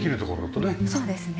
そうですね。